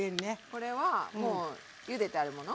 これはもうゆでてあるもの？